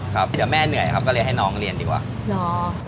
ครับเดี๋ยวแม่เหนื่อยครับก็เลยให้น้องเรียนดีกว่าหรอ